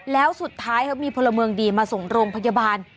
แล้วสุดท้ายเขามีพลเมืองดีมาส่งโรงพยาบาล